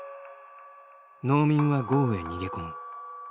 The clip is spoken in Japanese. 農民は壕へ逃げ込む。